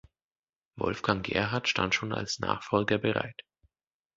Wolfgang Gerhardt stand schon als Nachfolger bereit.